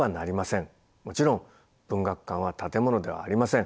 もちろん文学館は建物ではありません。